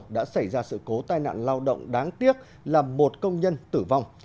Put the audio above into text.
đã xảy ra sự cố tai nạn lao động đáng tiếc làm một công nhân tử vong